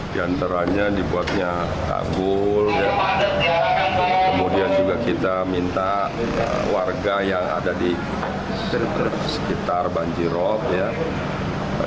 di antaranya dibuatnya takbul kemudian juga kita minta warga yang ada di sekitar banjirop